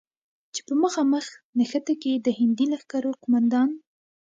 چې په مخامخ نښته کې د هندي لښکرو قوماندان،